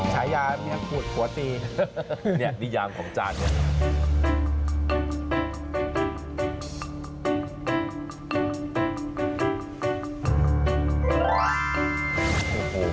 ฉายาเมียกูดหัวตีเนี่ยนิยามของจานเนี่ย